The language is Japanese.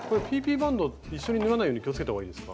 バンド一緒に縫わないように気をつけたほうがいいですか？